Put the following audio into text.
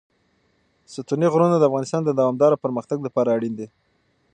ستوني غرونه د افغانستان د دوامداره پرمختګ لپاره اړین دي.